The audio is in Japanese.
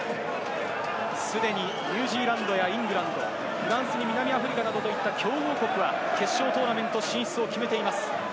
すでにニュージーランドやイングランド、フランス、南アフリカといった強豪国は決勝トーナメント進出を決めています。